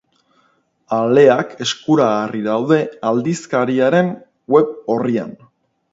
Aleak eskuragarri daude aldizkariaren web-orrian.